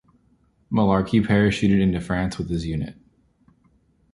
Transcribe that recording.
Malarkey parachuted into France with his unit.